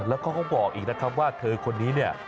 แล้วก็ก็บอกอีกนะครับว่าเธอคนนี้